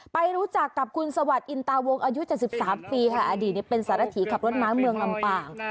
ไปรู้จักกับคุณสวัสดิอินตาวงอายุ๗๓ปีค่ะอดีตเป็นสารถีขับรถม้าเมืองลำปาง